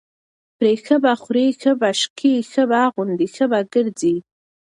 پرې ښه به خوري، ښه به څکي ښه به اغوندي، ښه به ګرځي،